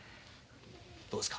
どうですか？